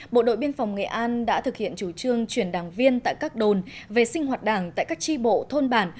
bộ đội biên phòng nghệ an đã thực hiện chủ trương chuyển đảng viên tại các đồn về sinh hoạt đảng tại các tri bộ thôn bản